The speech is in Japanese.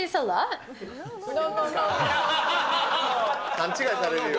勘違いされるよ。